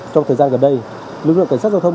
trong thời gian gần đây lực lượng cảnh sát giao thông